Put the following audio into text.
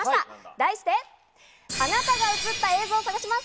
題して、アナタが映った映像探します！